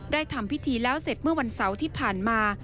ทำพิธีแล้วเสร็จเมื่อวันเสาร์ที่ผ่านมา